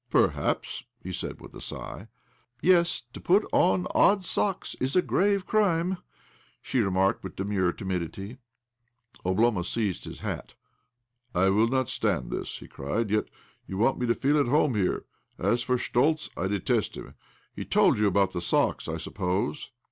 "Perhaps," he said with a sigh. " Yes, to put on odd socks is a grave crime," she remarked with demure timidity. Oblomov seized his hat. "I will not stand this !" he cried. "Yet you want me to feel at home here ! As for Schtoltz, I detest him ! He told you about the socks, I suppose?"